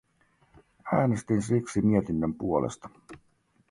Äänestin siksi mietinnön puolesta.